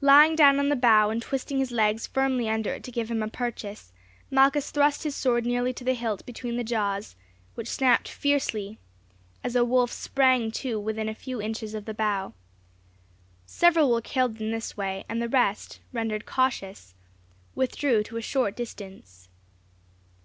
Lying down on the bough, and twisting his legs firmly under it to give him a purchase, Malchus thrust his sword nearly to the hilt between the jaws, which snapped fiercely as a wolf sprang to within a few inches of the bough. Several were killed in this way, and the rest, rendered cautions, withdrew to a short distance.